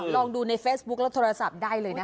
ลองดูในเฟซบุ๊คและโทรศัพท์ได้เลยนะคะ